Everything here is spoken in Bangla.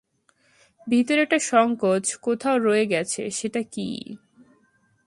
ভিতরে একটা সংকোচ কোথাও রয়ে গেছে, সেটা কী?